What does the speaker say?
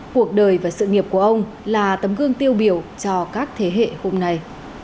cuộc đời và sự nghiệp của ông là tấm gương tiêu biểu cho các thế hệ hôm nay